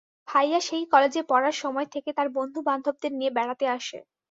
ভাইয়া সেই কলেজে পড়ার সময় থেকে তার বন্ধুবান্ধবদের নিয়ে বেড়াতে আসে।